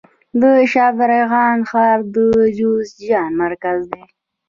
د شبرغان ښار د جوزجان مرکز دی